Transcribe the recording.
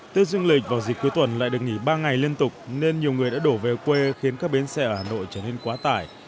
tết dương lịch vào dịp cuối tuần lại được nghỉ ba ngày liên tục nên nhiều người đã đổ về quê khiến các bến xe ở hà nội trở nên quá tải